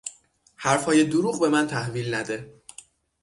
حرفهای دروغ به من تحویل نده!